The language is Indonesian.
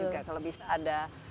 kalau bisa ada